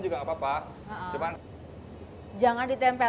bagaimana cara mengetes teh